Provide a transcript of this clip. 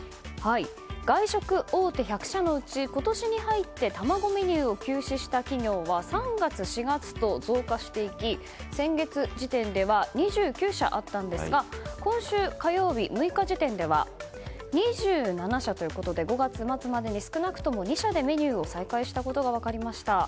外食大手１００社のうち今年に入って卵メニューを休止した企業は３月、４月と増加していき、先月時点では２９社あったんですが今週火曜日、６日時点では２７社ということで５月末までに少なくとも２社でメニューを再開したことが分かりました。